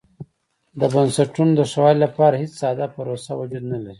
د بنسټونو د ښه والي لپاره هېڅ ساده پروسه وجود نه لري.